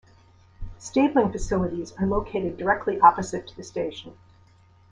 Stabling facilities are located directly opposite to the station.